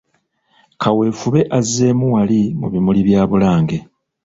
Kaweefube azeemu wali mu bimuli bya Bulange